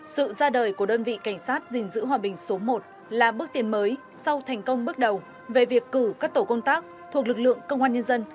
sự ra đời của đơn vị cảnh sát gìn giữ hòa bình số một là bước tiến mới sau thành công bước đầu về việc cử các tổ công tác thuộc lực lượng công an nhân dân